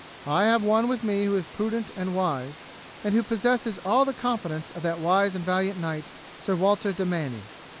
I have one with me who is prudent and wise, and who possesses all the confidence of that wise and valiant knight, Sir Walter de Manny."